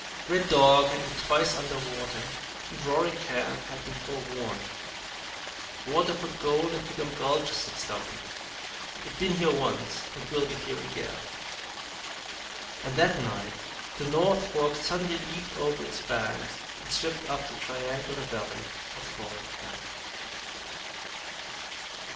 Red Dog had been twice under water, and Roaring Camp had been forewarned. "Water put the gold into them gulches," said Stumpy. "It been here once and will be here again!" And that night the North Fork suddenly leaped over its banks and swept up the triangular valley of Roaring Camp.